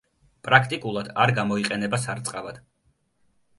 პრაქტიკულად არ გამოიყენება სარწყავად.